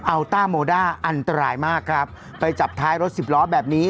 ต้าโมด้าอันตรายมากครับไปจับท้ายรถสิบล้อแบบนี้